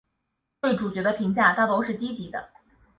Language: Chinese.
对主角的评价大都是积极的。